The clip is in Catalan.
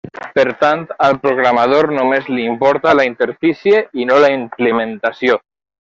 Per tant, al programador només li importa la interfície i no la implementació.